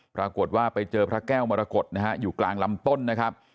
ปรากฏว่าไปเจอพระแก้วมรกฏนะฮะอยู่กลางลำต้นนะครับ